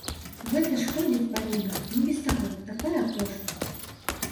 Гэта ж ходзіць па людзях, не без таго, такая пошасць.